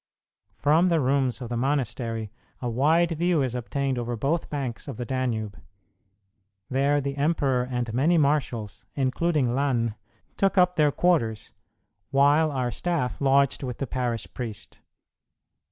From the rooms of the monastery a wide view is obtained over both banks of the Danube. There the emperor and many marshals, including Lannes, took up their quarters, while our staff lodged with the parish priest.